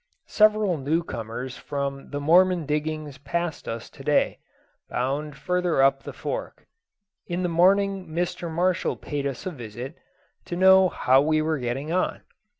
Several new comers from the Mormon diggings passed us to day, bound further up the Fork. In the morning Mr. Marshall paid us a visit, to know how we were getting on.